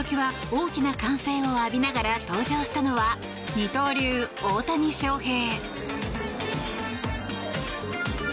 大きな歓声を浴びながら登場したのは二刀流、大谷翔平。